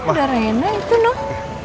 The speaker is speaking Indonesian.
itu udah rena itu loh